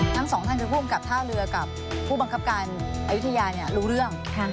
ทั้งสองท่านคือผู้กำกับท่าเรือกับผู้บังคับการอายุทยารู้เรื่อง